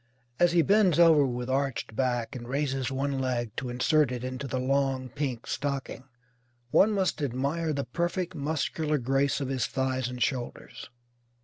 As he bends over with arched back, and raises one leg to insert it into the long pink stocking, one must admire the perfect muscular grace of his thighs and shoulders.